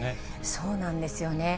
そうなんですよね。